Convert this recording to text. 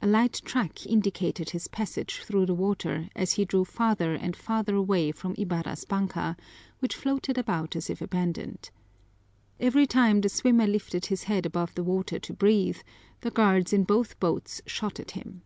A light track indicated his passage through the water as he drew farther and farther away from Ibarra's banka, which floated about as if abandoned. Every time the swimmer lifted his head above the water to breathe, the guards in both boats shot at him.